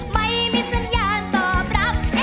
ไม่มีสัญญาณตอบรับ